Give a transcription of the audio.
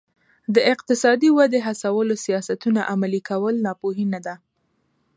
د اقتصادي ودې هڅولو سیاستونه عملي کول ناپوهي نه ده.